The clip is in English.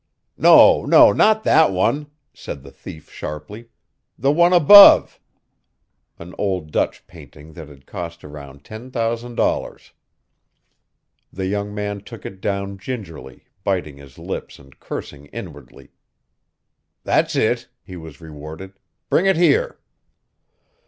"No, no not that one," said the thief, sharply, "the one above," an old Dutch painting that had cost a round $10,000. The young man took it down gingerly, biting his lips and cursing inwardly. "That's it," he was rewarded, "bring it here."